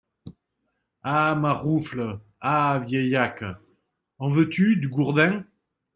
Ah ! maroufle ! ah ! veillaque ! en veux-tu, du gourdin ?